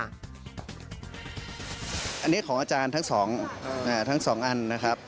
อันนี้ของอาจารย์ทั้ง๒อันนะครับ